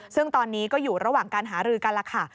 ซึ่งตอนนี้ก็อยู่ระหว่างการหารือกันแล้วค่ะ